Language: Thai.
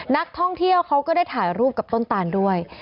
นักท่องเที่ยวเขาก็ได้ถ่ายรูปกับต้นตานด้วย